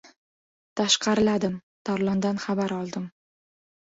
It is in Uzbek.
Tashqariladim, Tarlondan xabar oldim.